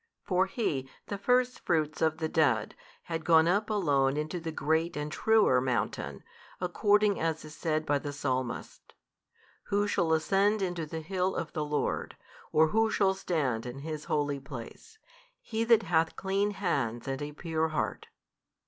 For He, the Firstfruits of the dead, hath gone up Alone into the great and truer mountain, according as is said by the Psalmist, Who shall ascend into the hill of the Lord? or who shall stand in His holy place? He that hath clean hands and a pure heart.